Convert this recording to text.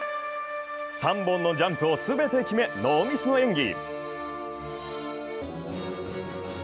３本のジャンプを全て決め、ノーミスの演技。